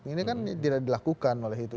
ini kan tidak dilakukan oleh itu